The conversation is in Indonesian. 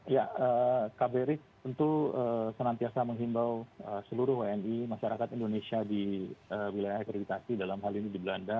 ya kbri tentu senantiasa menghimbau seluruh wni masyarakat indonesia di wilayah akreditasi dalam hal ini di belanda